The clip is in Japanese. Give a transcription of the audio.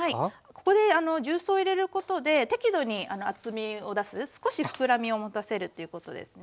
ここで重曹を入れることで適度に厚みを出す少しふくらみを持たせるということですね。